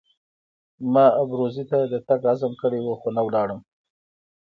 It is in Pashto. ما ابروزي ته د تګ عزم کړی وو خو نه ولاړم.